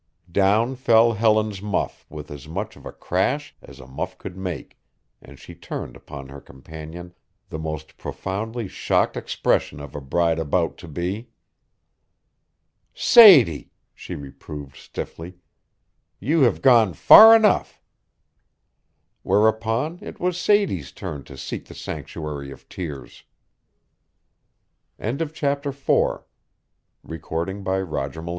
Down fell Helen's muff with as much of a crash as a muff could make and she turned upon her companion the most profoundly shocked expression of a bride about to be. "Sadie," she reproved stiffly, "you have gone far enough." Whereupon it was Sadie's turn to seek the sanctuary of tears. CHAPTER V. WHITNEY BARNES TELEPHONES TO THE RITZ.